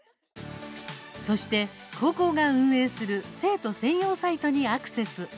そして、高校が運営する生徒専用サイトにアクセス。